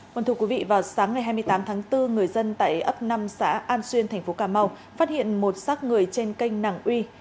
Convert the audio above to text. quân thủ quý vị vào sáng ngày hai mươi tám tháng bốn người dân tại ấp năm xã an xuyên thành phố cà mau phát hiện một sát người trên kênh nàng uy